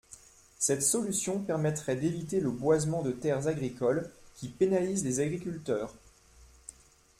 Cette solution permettrait d’éviter le boisement de terres agricoles, qui pénalise les agriculteurs.